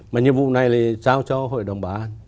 mà nhiệm vụ này là trao cho hội đồng bảo an